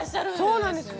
そうなんですよ